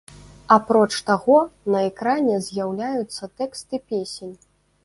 Апроч таго, на экране з'яўляюцца тэксты песень.